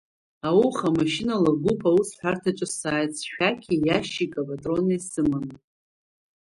Ауха машьынала Гәыԥ аусҳәарҭаҿы сааит сшәақьи иашьыкьк апатронеи сыманы.